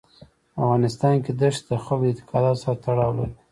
په افغانستان کې دښتې د خلکو د اعتقاداتو سره تړاو لري.